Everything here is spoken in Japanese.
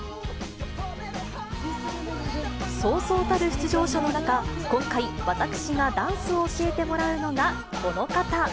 そうそうたる出場者の中、今回、私がダンスを教えてもらうのが、この方。